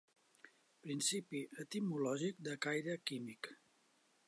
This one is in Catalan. Principi etimològic de caire químic.